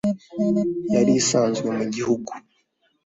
Yari isanzwe mu gihugu .